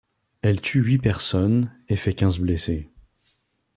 Elle tue huit personnes et fait quinze blessés.